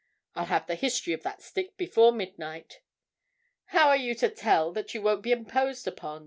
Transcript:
I'll have the history of that stick before midnight." "How are you to tell that you won't be imposed upon?"